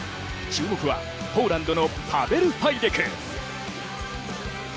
注目はポーランドのパベル・ファイデク。